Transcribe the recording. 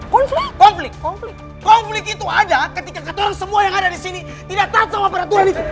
konflik konflik itu ada ketika ketua semua yang ada di sini tidak taat sama peraturan itu